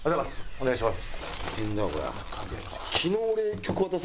お願いします。